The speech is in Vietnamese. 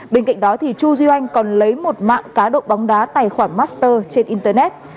bên cạnh đó chu duy anh còn lấy một mạng cá độ bóng đá tài khoản master trên internet